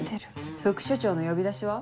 副署長の呼び出しは？